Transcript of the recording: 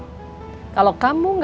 kalau kamu gak mau nginep aku mau nginep